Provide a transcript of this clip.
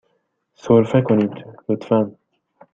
سرفه کنید، لطفاً.